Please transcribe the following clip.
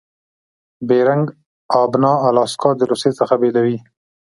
بیرنګ آبنا الاسکا د روسي څخه بیلوي.